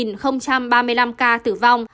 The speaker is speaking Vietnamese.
trong đó có hai mươi một ba mươi năm ca tử vong